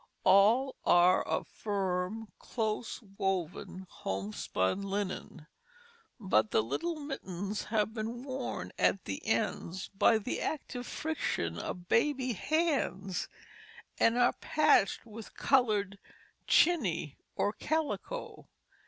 All are of firm, close woven, homespun linen, but the little mittens have been worn at the ends by the active friction of baby hands, and are patched with colored "chiney" or calico.